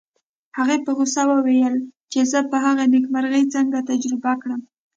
هغې په غوسه وویل چې زه به هغه نېکمرغي څنګه تجربه کړم